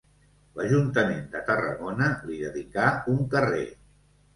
L'ajuntament de Tarragona li dedicà un carrer.